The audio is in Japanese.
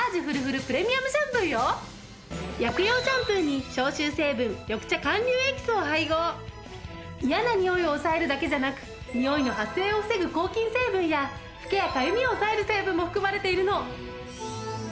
薬用シャンプーに嫌なニオイを抑えるだけじゃなくニオイの発生を防ぐ抗菌成分やフケやかゆみを抑える成分も含まれているの。